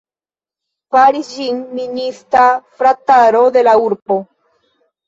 Faris ĝin minista frataro de la urbo.